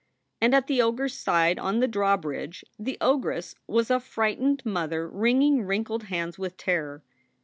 And at the ogre s side on the drawbridge the ogress was a frightened mother wringing wrinkled hands with terror.